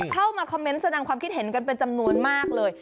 เข้ามาคอมเมนต์แสดงความคิดเห็นกันเป็นจำนวนมากเลย